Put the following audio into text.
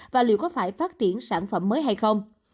và liệu có phải phát triển sản phẩm mới hay không